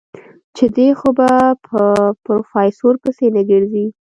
چې دی خو به په پروفيسر پسې نه ګرځي.